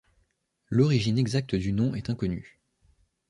L'origine exacte du nom est inconnue.